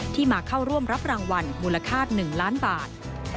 มาเข้าร่วมรับรางวัลมูลค่า๑ล้านบาท